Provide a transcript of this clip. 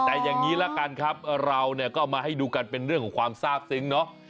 แต่อย่างนี้ละกันครับเราเนี่ยก็เอามาให้ดูกันเป็นเรื่องของความทราบซึ้งเนาะ